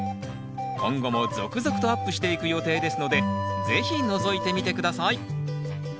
今後も続々とアップしていく予定ですので是非のぞいてみて下さい！